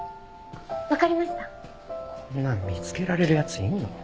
こんなの見つけられるやついんの？